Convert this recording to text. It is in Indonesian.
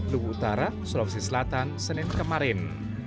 luhutara sulawesi selatan senin kemarin